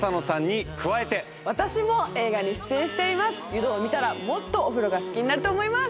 『湯道』を見たらもっとお風呂が好きになると思います。